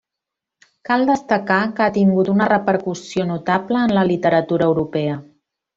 Cal destacar que ha tingut una repercussió notable en la literatura europea.